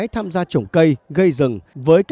trước đó tôi đã ở libanon